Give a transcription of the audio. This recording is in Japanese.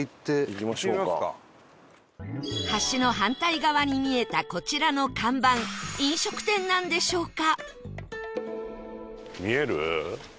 橋の反対側に見えたこちらの看板飲食店なんでしょうか？